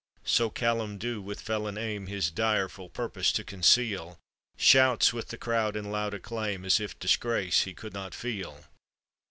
So Callum Dhu with felon aim His direful purpose to conceal Shouts with the crowd in loud acclaim, As if disgrace he could not feel.